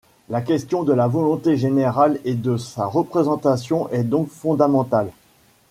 La question de la volonté générale et de sa représentation est donc fondamentale.